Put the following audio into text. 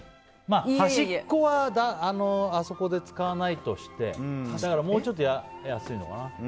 端っこはあそこで使わないとしてだからもうちょっと安いのかな。